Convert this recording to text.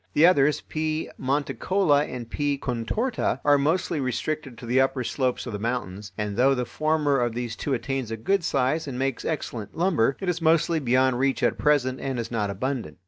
The others (P. monticola and P. contorta) are mostly restricted to the upper slopes of the mountains, and though the former of these two attains a good size and makes excellent lumber, it is mostly beyond reach at present and is not abundant.